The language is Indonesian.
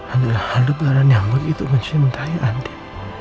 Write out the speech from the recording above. adalah halubaran yang begitu mencintai andin